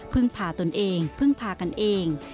พึ่งพาตนเองพึ่งพากันเอง